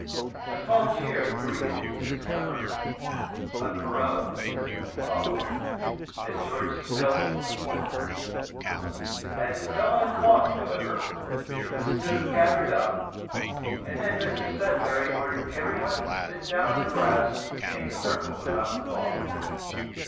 A small cheer greeted its discovery. A groan instantly followed, as George spilt the whole of it. As it fell on the cloth, however, it was soon gathered up, and then Mr Sudberry ordered everyone to sit down on the grass in a circle round the cloth.